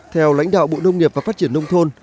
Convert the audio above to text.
theo lãnh đạo bộ nông nghiệp và phát triển nông thôn